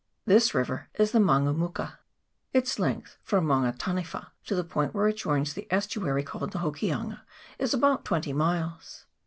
This river is the Man gumuka; its length, from Maunga Taniwa to the point where it joins the estuary called the Hokianga, is about twenty miles.